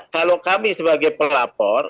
kalau kami sebagai pelapor